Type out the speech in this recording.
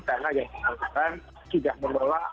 karena yang sangkutan tidak memelak